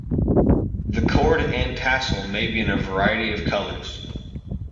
The cord and tassel may be in a variety of colors.